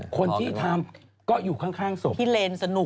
คนที่ทำก็อยู่ข้างศพที่เลนสนุก